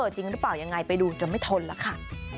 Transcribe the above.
จริงหรือเปล่ายังไงไปดูจะไม่ทนแล้วค่ะ